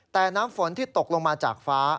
แต่น้ำฝนที่ตกลงมาจากฟ้า